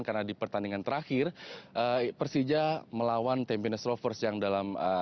karena di pertandingan terakhir persija melawan tampines rovers yang dalam